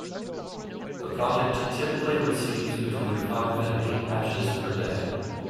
The project typically receives between five and eight patches per day.